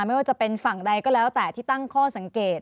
ไม่ว่าจะเป็นฝั่งใดก็แล้วแต่ที่ตั้งข้อสังเกต